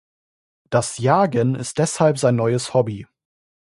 Das Jagen ist deshalb sein neues Hobby.